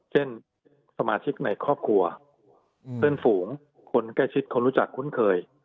เช่นสมาชิกในครอบครัวเพื่อนฝูงคนใกล้ชิดคนรู้จักคุ้นเคย